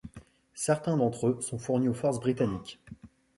Certains d'entre eux sont fournis aux forces britanniques.